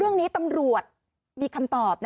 เรื่องนี้ตำรวจมีคำตอบ